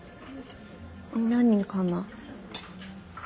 何かな？